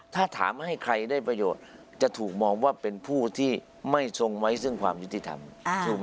ถ้าถามให้ใครได้ประโยชน์จะถูกมองว่าเป็นผู้ที่ไม่ทรงไว้ซึ่งความยุติธรรมถูกไหม